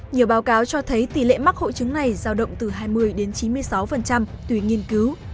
nhiều báo cáo cho thấy tỷ lệ mắc hội chứng này giao động từ hai mươi đến chín mươi sáu tùy nghiên cứu